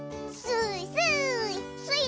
スイスイ！